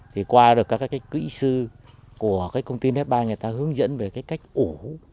thì qua được các cái kỹ sư của cái công ty netbar người ta hướng dẫn về cái cách ủ